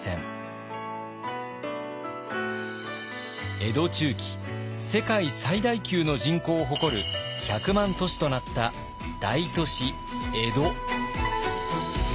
江戸中期世界最大級の人口を誇る１００万都市となった大都市江戸。